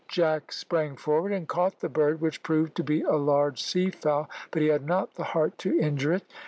Jack sprang forward and caught the bird, which proved to be a large sea fowl, but he had not the heart to injure it.